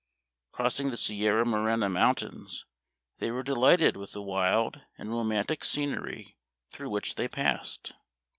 Crossing the Sierra Morena Mountains, they were delighted with the wild and romantic scenery through which they passed.